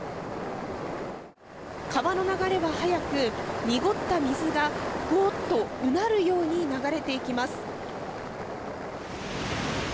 川の流れは速く、濁った水がごーっとうなるように流れていきます。